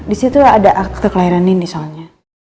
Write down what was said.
disitu ada akte kelahiran nindi soalnya